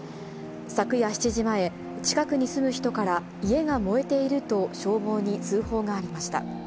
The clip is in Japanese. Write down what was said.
昨夜７時前、近くに住む人から、家が燃えていると消防に通報がありました。